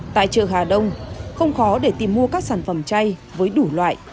tại chợ hà đông không khó để tìm mua các sản phẩm chay với đủ loại